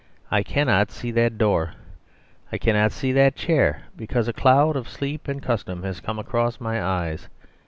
I cannot see that door. I cannot see that chair: because a cloud of sleep and custom has come across my eyes.